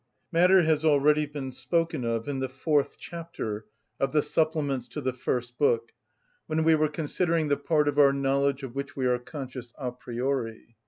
Matter has already been spoken of in the fourth chapter of the supplements to the first book, when we were considering the part of our knowledge of which we are conscious a priori.